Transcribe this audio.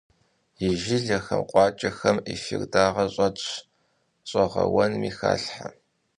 И жылэхэм, къуакӏэхэм эфир дагъэ щӏэтщ, щӏэгъэуэнми халъхьэ.